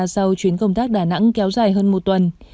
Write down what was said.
sau chuyến công tác đà nẵng kéo dài hơn một tuần